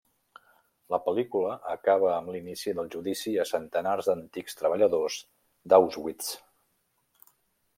La pel·lícula acaba amb l'inici del judici a centenars d'antics treballadors d'Auschwitz.